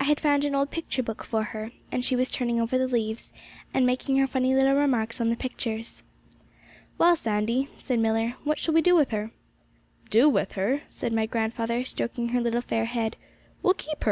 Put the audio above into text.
I had found an old picture book for her, and she was turning over the leaves, and making her funny little remarks on the pictures. 'Well, Sandy,' said Millar, 'what shall we do with her?' 'Do with her?' said my grandfather stroking her little fair head. 'We'll keep her!